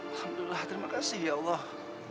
alhamdulillah terima kasih ya allah